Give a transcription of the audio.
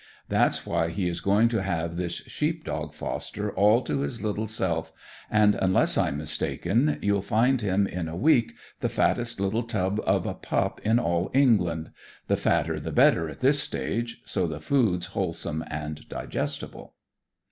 That's why he is going to have this sheep dog foster all to his little self, and, unless I'm mistaken, you'll find him in a week the fattest little tub of a pup in all England the fatter the better at this stage, so the food's wholesome and digestible."